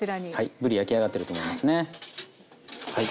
ぶり焼き上がってると思いますね。